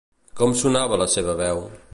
Com sonava la seva veu?